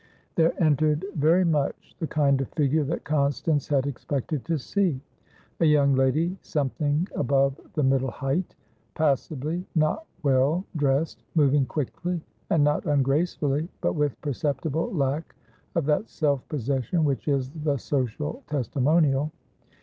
There entered very much the kind of figure that Constance had expected to see; a young lady something above the middle height, passably, not well, dressed, moving quickly and not ungracefully, but with perceptible lack of that self possession which is the social testimonial.